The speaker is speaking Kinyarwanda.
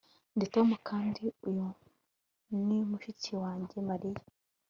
Ndi Tom kandi uyu ni mushiki wanjye Mariya